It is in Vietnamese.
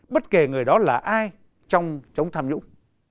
bất kể người đó là ai trong chống tham nhũng